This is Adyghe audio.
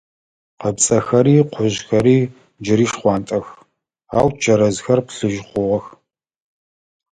Къыпцӏэхэри къужъхэри джыри шхъуантӏэх, ау чэрэзхэр плъыжьы хъугъэх.